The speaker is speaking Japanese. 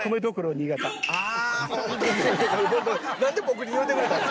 あホントに何で僕に言うてくれたんですか。